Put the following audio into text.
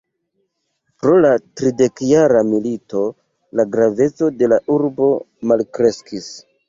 Pro la Tridekjara milito la graveco de la urbo malkreskis.